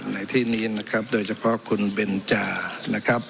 ในที่นี้นะครับโดยเฉพาะคุณเบนจานะครับ